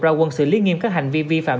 ra quân xử lý nghiêm các hành vi vi phạm